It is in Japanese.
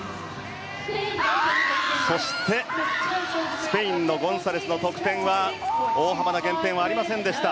スペインのゴンサレスの得点大幅な減点はありませんでした。